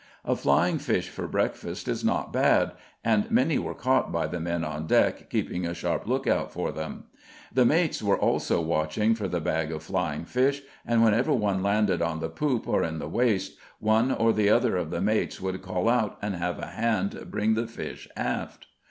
A flying fish for breakfast is not bad, and many were caught by the men on deck keeping a sharp lookout for them. The mates were also watching for the bag of flying fish and whenever one landed on the poop or in the waist, one or the other of the mates would call out and have a hand bring the fish aft.